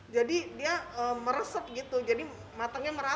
jadi dia meresap gitu jadi matangnya merata